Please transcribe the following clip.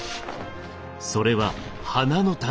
それは花の誕生。